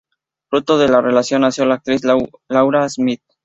Fruto de esta relación nació la actriz Laura Smet.